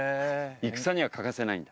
戦には欠かせないんだ。